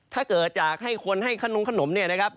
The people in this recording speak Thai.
ถ้าเกิดอยากให้คนให้ขนมขนมเนี่ยนะครับ